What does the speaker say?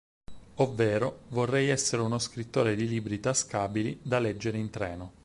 Ovvero “Vorrei essere uno scrittore di libri tascabili da leggere in treno.